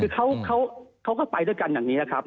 คือเขาก็ไปด้วยกันอย่างนี้ครับ